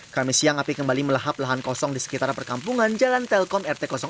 kami siang api kembali melahap lahan kosong di sekitar perkampungan jalan telkom rt enam